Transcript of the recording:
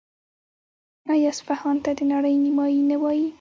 آیا اصفهان ته د نړۍ نیمایي نه وايي؟